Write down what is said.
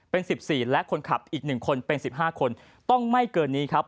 เป็นสิบสี่และคนขับอีกหนึ่งคนเป็นสิบห้าคนต้องไม่เกินนี้ครับ